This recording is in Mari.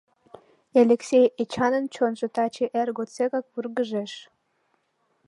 Элексей Эчанын чонжо таче эр годсекак вургыжеш.